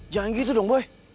jangan gitu dong boy